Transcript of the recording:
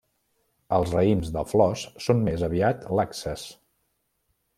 Els raïms de flors són més aviat laxes.